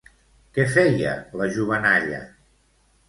Què feia la jovenalla?